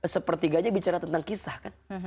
sepertiganya bicara tentang kisah kan